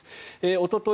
おととい